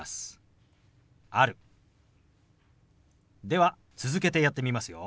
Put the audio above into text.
では続けてやってみますよ。